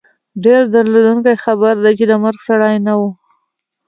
ډېر دردوونکی خبر دی، د مرګ سړی نه وو